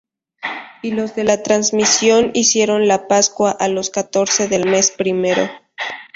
Y los de la transmigración hicieron la pascua á los catorce del mes primero.